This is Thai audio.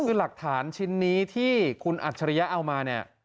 คือหลักฐานชิ้นนี้ที่คุณอัจฉริยะเอามาเนี่ย